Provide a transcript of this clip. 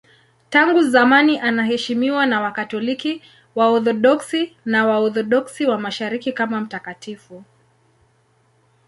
Tangu zamani anaheshimiwa na Wakatoliki, Waorthodoksi na Waorthodoksi wa Mashariki kama mtakatifu.